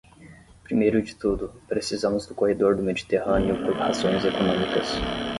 Primeiro de tudo, precisamos do corredor do Mediterrâneo por razões econômicas.